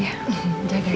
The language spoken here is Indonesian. rumah jadi sepi